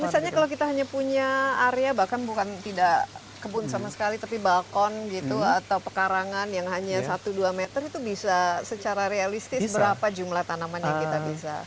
misalnya kalau kita hanya punya area bahkan bukan tidak kebun sama sekali tapi balkon gitu atau pekarangan yang hanya satu dua meter itu bisa secara realistis berapa jumlah tanaman yang kita bisa